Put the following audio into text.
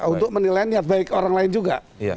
untuk menilainya baik orang lain juga